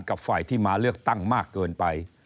กับฝ่ายที่มาเลือกตั้งมากเกินไป